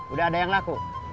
udah ada yang laku